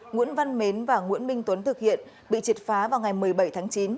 nguyễn văn mến và nguyễn minh tuấn thực hiện bị triệt phá vào ngày một mươi bảy tháng chín